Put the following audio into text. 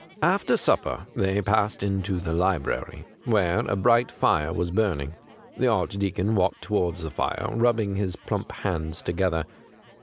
After supper they passed into the library, where a bright fire was burning. The Archdeacon walked towards the fire, rubbing his plump hands together.